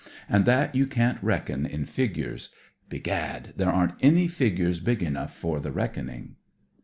And that you can't reckon in figures. Begad, there aren't any figures big enough for the reckoning."